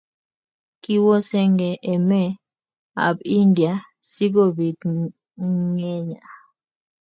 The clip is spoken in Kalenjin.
kiwo sengee emee ab india sikobit ngenya